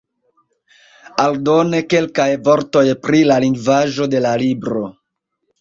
Aldone kelkaj vortoj pri la lingvaĵo de la libro.